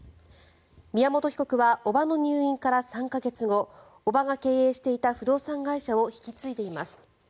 宮本被告は叔母の入院から３か月後叔母が経営していた不動産会社を引き継いでいます。